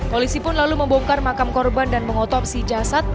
polisi pun lalu membongkar makam korban dan mengotopsi jasad